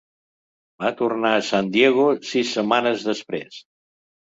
Va tornar a San Diego sis setmanes després.